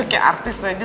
kayak artis aja